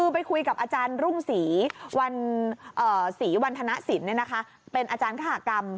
ไปคุยกับอาจารย์รุ่งศรีศรีวันธนสินเป็นอาจารย์ขหากรรม